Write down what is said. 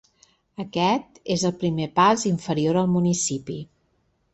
Aquest és el primer pas inferior al municipi.